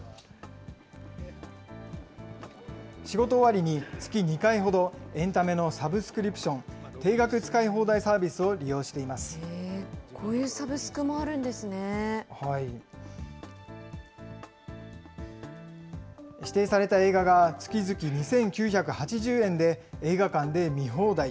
仕事終わりに月２回ほど、エンタメのサブスクリプション・定額使い放題サービスを利用してこういうサブスクもあるんで指定された映画が月々２９８０円で映画館で見放題。